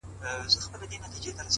• زه چي زهر داسي خورم د موږكانو,